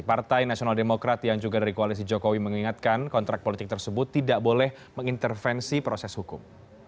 partai nasional demokrat yang juga dari koalisi jokowi mengingatkan kontrak politik tersebut tidak boleh mengintervensi proses hukum